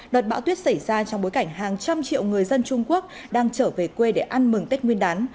đợt bão tuyết xảy ra trong bối cảnh hàng trăm triệu người dân trung quốc đang trở về quê để ăn mừng tết nguyên đán